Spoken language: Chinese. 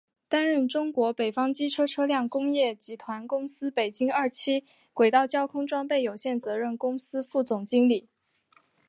担任中国北方机车车辆工业集团公司北京二七轨道交通装备有限责任公司副总经理。